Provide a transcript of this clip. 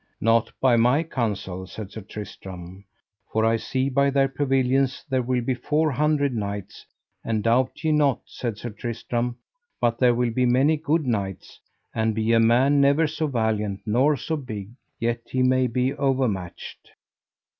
Not by my counsel, said Sir Tristram, for I see by their pavilions there will be four hundred knights, and doubt ye not, said Sir Tristram, but there will be many good knights; and be a man never so valiant nor so big, yet he may be overmatched.